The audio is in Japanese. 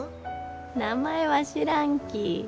名前は知らんき。